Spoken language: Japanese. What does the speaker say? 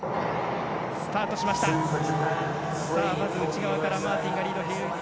内側からマーティンがリード。